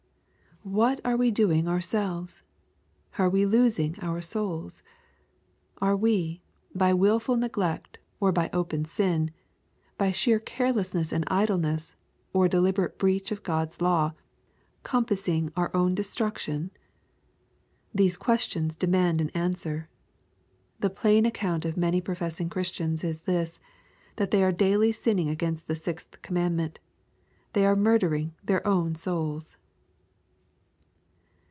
What are we doing ourselves ? Are we losing our souls ? Are we, by wilful neglect or by open sin — by sheer carelessness and idleness, or deliberate breach of God s law — compassing our own destruction ? These questions demand an answer. The plain account of many professing Christians is this, that they are daily sinning against the sixth commandment. They are murdering their own souls